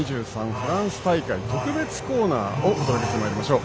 フランス大会特別コーナーをお届けしてまいりましょう。